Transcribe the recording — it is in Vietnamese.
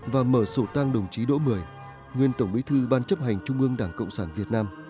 và mở sổ tăng đồng chí độ một mươi nguyên tổng bí thư ban chấp hành trung ương đảng cộng sản việt nam